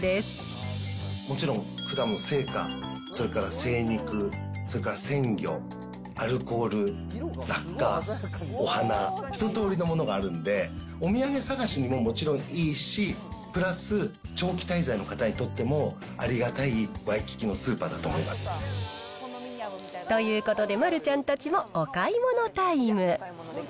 もちろん、果物、青果、それから精肉、それから鮮魚、アルコール、雑貨、お花、一とおりのものがあるんで、お土産探しにももちろんいいし、プラス、長期滞在の方にとってもありがたいワイキキのスーパーだと思いまということで、丸ちゃんたちもお買い物タイム。